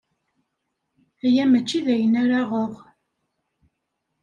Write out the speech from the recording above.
Aya mačči d ayen ara aɣeɣ.